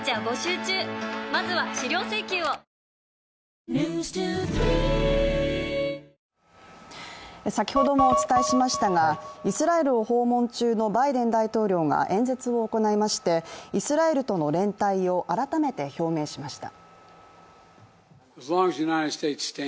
三菱電機先ほどもお伝えしましたがイスラエルを訪問中のバイデン大統領が演説を行いましてイスラエルとの連帯を改めて表明しました。